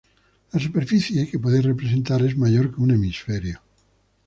La superficie que puede representar es mayor que un hemisferio.